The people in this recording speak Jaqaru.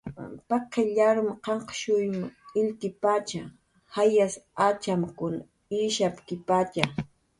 Arum qanqshuym waraj illkipatxa, jayas atxamkun ishapkipatxa